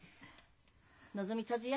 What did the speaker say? のぞみ達也